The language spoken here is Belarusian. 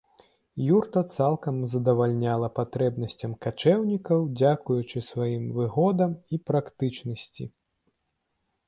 Юрта цалкам задавальняла патрэбнасцям качэўнікаў дзякуючы сваім выгодам і практычнасці.